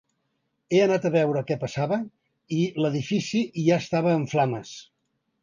He anat a veure què passava i l’edifici ja estava en flames.